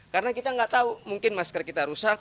karena kita nggak tahu mungkin masker kita rusak